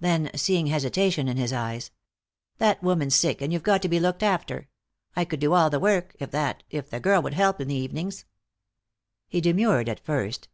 Then, seeing hesitation in his eyes: "That woman's sick, and you've got to be looked after. I could do all the work, if that if the girl would help in the evenings." He demurred at first.